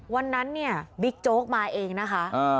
วันนั้นเนี่ยบิ๊กโจ๊กมาเองนะคะ